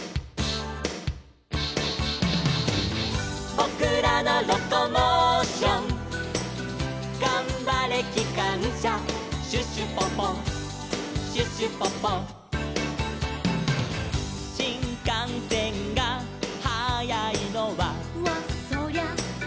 「ぼくらのロコモーション」「がんばれきかんしゃ」「シュシュポポシュシュポポ」「しんかんせんがはやいのは」